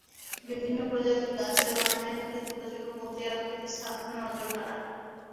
বিভিন্ন প্রজাতির গাছের বাগানের ফাঁকে ছোট ছোট মন্দির আকৃতির স্থাপনা নজরকাড়া।